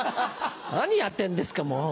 何やってんですかもう。